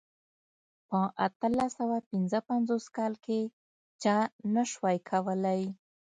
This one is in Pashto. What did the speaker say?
په اتلس سوه پنځه پنځوس کال کې چا نه شوای کولای.